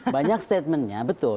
banyak statementnya betul